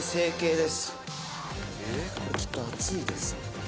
「これちょっと熱いです」